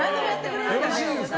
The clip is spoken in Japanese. よろしいですか？